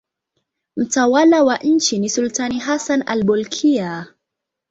Mtawala wa nchi ni sultani Hassan al-Bolkiah.